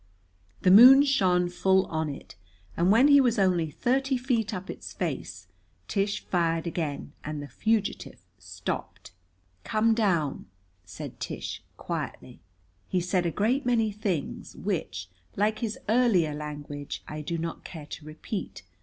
The moon shone full on it, and when he was only thirty feet up its face Tish fired again, and the fugitive stopped. "Come down," said Tish quietly. He said a great many things which, like his earlier language, I do not care to repeat.